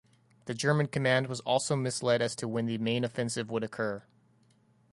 The German command was also misled as to when the main offensive would occur.